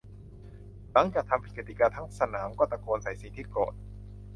หลังจากทำผิดกติกาทั้งสนามก็ตะโกนใส่สิ่งที่โกรธ